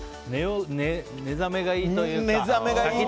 目覚めがいいというか。